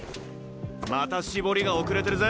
また「絞り」が遅れてるぜ。